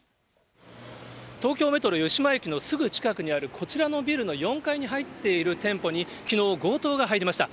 東京メトロ湯島駅のすぐ近くにあるこちらのビルの４階に入っている店舗に、きのう、強盗が入りました。